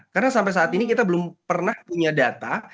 karena sampai saat ini kita belum pernah punya data